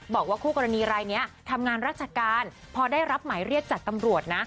บอกว่าคู่กรณีรายนี้ทำงานราชการพอได้รับหมายเรียกจากตำรวจนะ